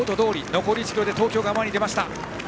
残り１ｋｍで東京が前に出ました。